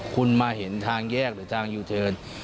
คุณมาเห็นทางแยกหรือทางยูเจิน